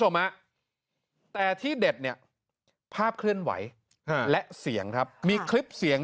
ฮะแต่ที่เด็ดเนี่ยภาพเคลื่อนไหวและเสียงครับมีคลิปเสียง